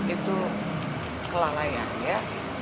itu kelalaian ya